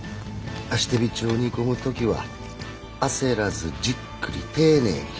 足てびちを煮込む時は焦らずじっくり丁寧に。